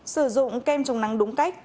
hai sử dụng kem chống nắng đúng cách